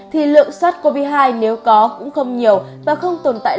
thì lượng sars cov hai nếu có cũng không nhiều và không tồn tại